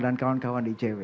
dan kawan kawan di icw